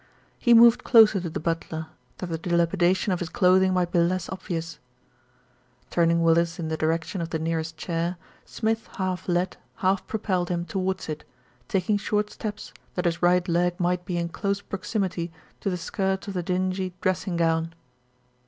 He moved closer to the butler, that the dilapidation of his clothing might be less obvious. 31 32 THE RETURN OF ALFRED Turning Willis in the direction of the nearest chair, Smith half led, half propelled him towards it, taking short steps that his right leg might be in close proximity to the skirts of the dingy dressing gown.